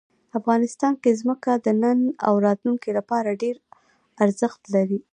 افغانستان کې ځمکه د نن او راتلونکي لپاره ډېر ارزښت لري.